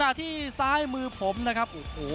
นักมวยจอมคำหวังเว่เลยนะครับ